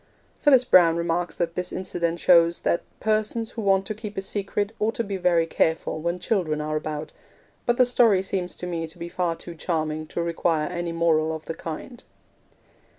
Phyllis Browne remarks that this incident shows 'that persons who want to keep a secret ought to be very careful when children are about'; but the story seems to me to be far too charming to require any moral of the kind.